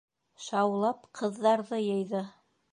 Шаулап ҡыҙҙарҙы йыйҙы.